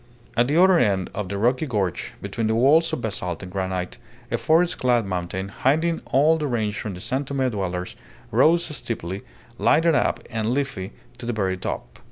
At the other end of the rocky gorge, between the walls of basalt and granite, a forest clad mountain, hiding all the range from the San Tome dwellers, rose steeply, lighted up and leafy to the very top.